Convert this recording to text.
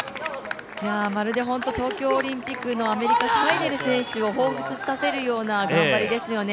まるで本当、東京オリンピックのアメリカの選手をほうふつとさせるような頑張りですね。